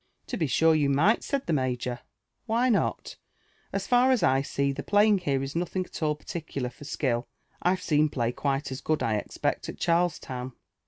" To be sure you might," said the major ;why not ? As far as I aee, the play here is nothing at all particular for skill : I've seen play quite as good, I expect, at Charlestown.